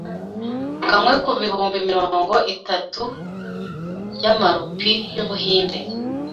kamwe ku bihumbi mirongo itatu y'amarupi y'Ubuhinde